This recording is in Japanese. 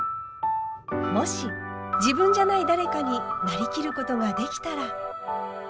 もし自分じゃない誰かになりきることができたら。